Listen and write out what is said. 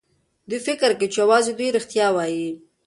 دوی فکر کوي چې يوازې دوی رښتيا وايي.